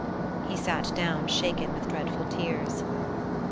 He sat down shaken with dreadful tears.